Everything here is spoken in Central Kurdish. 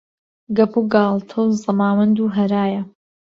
گەپ و گاڵتە و زەماوەند و هەرایە